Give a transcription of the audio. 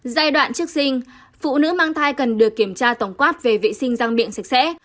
giai đoạn trước sinh phụ nữ mang thai cần được kiểm tra tổng quát về vệ sinh răng miệng sạch sẽ